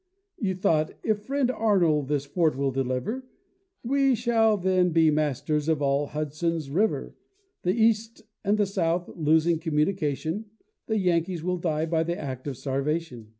Thought you, "If friend Arnold this fort will deliver, We then shall be masters of all Hudson's river; The east and the south losing communication, The Yankees will die by the act of starvation."